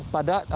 pada saat itu